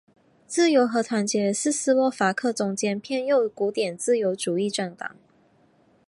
自由和团结是斯洛伐克中间偏右古典自由主义政党。